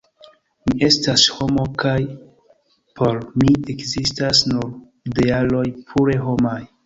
Mi estas homo, kaj por mi ekzistas nur idealoj pure homaj.